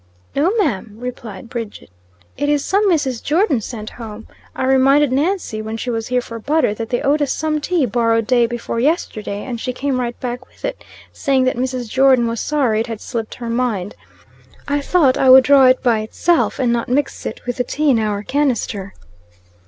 "No, ma'am," replied Bridget. "It is some Mrs. Jordon sent home. I reminded Nancy, when she was here for butter, that they owed us some tea, borrowed day before yesterday, and she came right back with it, saying that Mrs. Jordon was sorry it had slipped her mind. I thought I would draw it by itself, and not mix it with the tea in our canister."